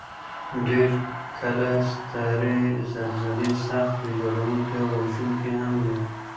ډېر کله سترې زلزلې سخت ویجاړونکي او وژونکي هم وي.